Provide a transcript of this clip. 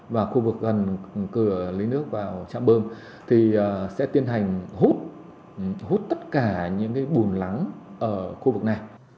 và khu vực gần cửa lấy nước vào trạm bơm thì sẽ tiến hành hút tất cả những bùn lắng ở khu vực này